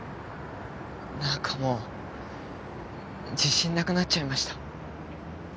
なんかもう自信なくなっちゃいました。